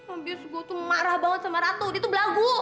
abis gue tuh marah banget sama ratu dia tuh belagu